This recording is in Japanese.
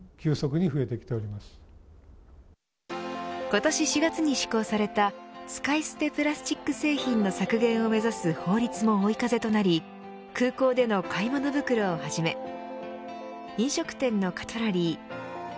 今年４月に施行された使い捨てプラスチック製品の削減を目指す法律も追い風となり空港での買い物袋をはじめ飲食店のカトラリー